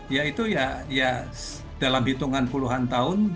ya itu ya dalam hitungan puluhan tahun